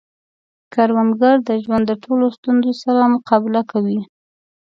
کروندګر د ژوند د ټولو ستونزو سره مقابله کوي